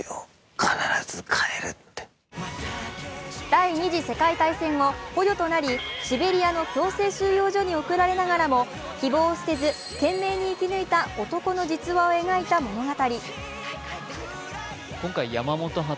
第２次世界大戦後、捕虜となりシベリアの強制収容所に送られながらも希望を捨てず、懸命に生き抜いた男の実話を描いた物語。